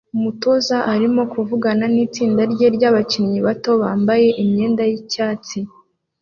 Umutoza arimo kuvugana nitsinda rye ryabakinnyi bato bambaye imyenda yicyatsi